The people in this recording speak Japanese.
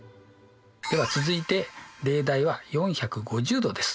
では続いて例題は４５０°です。